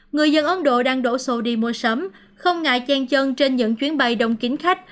người dân ấn độ đang đổ xô đi mua sắm không ngại chen chân trên những chuyến bay đông kín khách